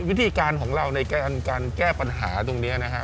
วิธีการของเราในการแก้ปัญหาตรงนี้นะฮะ